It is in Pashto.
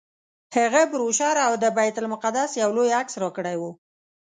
هغه بروشر او د بیت المقدس یو لوی عکس راکړی و.